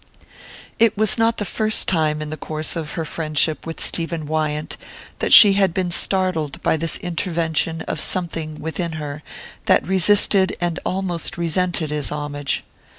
It was not the first time in the course of her friendship with Stephen Wyant that she had been startled by this intervention of something within her that resisted and almost resented his homage.